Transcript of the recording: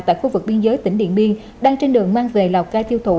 tại khu vực biên giới tỉnh điện biên đang trên đường mang về lào cai tiêu thụ